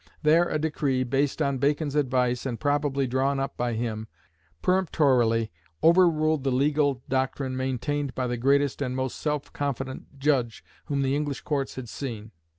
There a decree, based on Bacon's advice and probably drawn up by him, peremptorily overruled the legal doctrine maintained by the greatest and most self confident judge whom the English courts had seen.